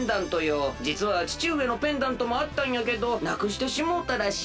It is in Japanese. じつはちちうえのペンダントもあったんやけどなくしてしもうたらしい。